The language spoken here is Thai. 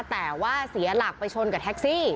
แต่ว่าเสียหลักไปชนกับแท็กซี่